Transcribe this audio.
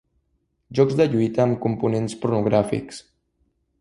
Jocs de lluita amb components pornogràfics.